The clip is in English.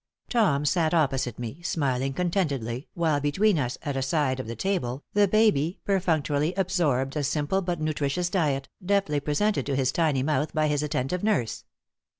Tom sat opposite me, smiling contentedly, while between us, at a side of the table, the baby perfunctorily absorbed a simple but nutritious diet, deftly presented to his tiny mouth by his attentive nurse.